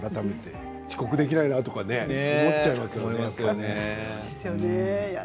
遅刻できないなと思っちゃいますよね。